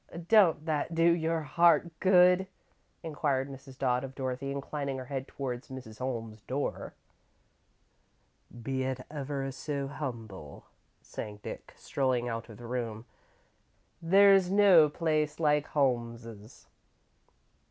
"Don't that do your heart good?" inquired Mrs. Dodd, of Dorothy, inclining her head toward Mrs. Holmes's door. "Be it ever so humble," sang Dick, strolling out of the room, "there's no place like Holmes's."